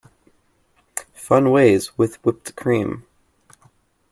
Fun ways with whipped cream.